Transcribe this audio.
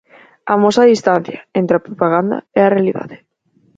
"Amosa a distancia entre a propaganda e a realidade".